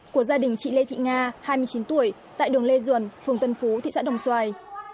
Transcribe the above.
của gia đình chị lê thị nga hai mươi chín tuổi tại đường lê duẩn phường tân phú thị xã đồng xoài